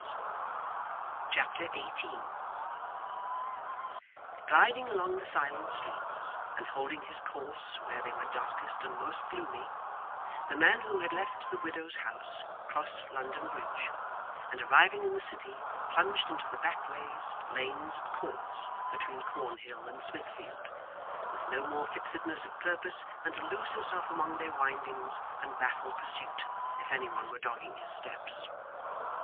Chapter 18 Gliding along the silent streets, and holding his course where they were darkest and most gloomy, the man who had left the widow's house crossed London Bridge, and arriving in the City, plunged into the backways, lanes, and courts, between Cornhill and Smithfield; with no more fixedness of purpose than to lose himself among their windings, and baffle pursuit, if any one were dogging his steps.